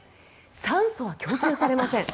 酸素は供給されません。